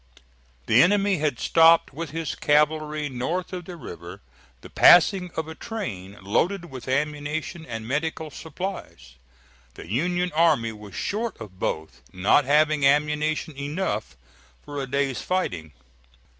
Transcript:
The enemy had stopped with his cavalry north of the river the passing of a train loaded with ammunition and medical supplies. The Union army was short of both, not having ammunition enough for a day's fighting.